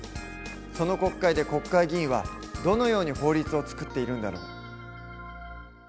その国会で国会議員はどのように法律を作っているんだろう？